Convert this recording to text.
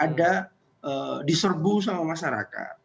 ada diserbu sama masyarakat